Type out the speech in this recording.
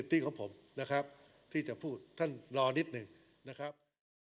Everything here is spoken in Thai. ทางที่กรบครับ